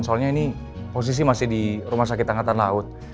soalnya ini posisi masih di rumah sakit angkatan laut